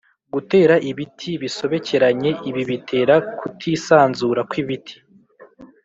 gutera ibiti bisobekeranye ibi bitera kutisanzura kw’ibiti